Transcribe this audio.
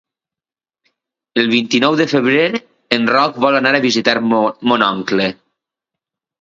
El vint-i-nou de febrer en Roc vol anar a visitar mon oncle.